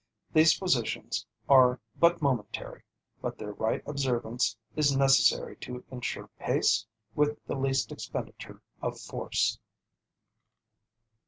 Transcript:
These positions are but momentary, but their rigid observance is necessary to ensure pace with the least expenditure of force.